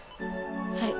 はい。